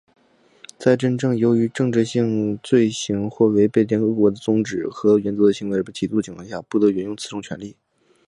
在真正由于非政治性的罪行或违背联合国的宗旨和原则的行为而被起诉的情况下,不得援用此种权利。